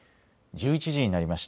１１時になりました。